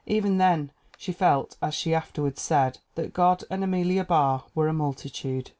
Even then she felt, as she afterward said, that "God and Amelia Barr were a multitude."